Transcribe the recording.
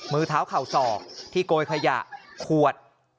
มือเท้าเข่าศอกที่โกยขยะขวด